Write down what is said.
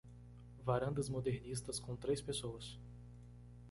Varandas modernistas com três pessoas.